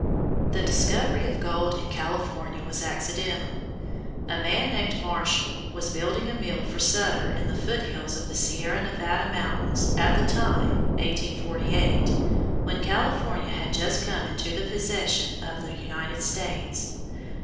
The discovery of gold in California was accidental. A man named Marshall was building a mill for Sutter in the foot hills of the Sierra Nevada mountains at the time (1848) when California had just come into the possession of the United States.